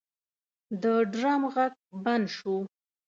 د ډرم غږ بند شو.